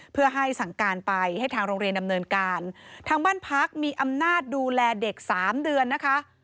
เพื่อให้สั่งการไปให้ทางโรงเรียนดำเนินการทางบ้านพักมีอำนาจดูแลเด็กสามเดือนนะคะ